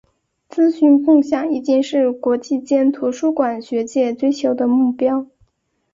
资讯共享已经是国际间图书馆学界追求的目标。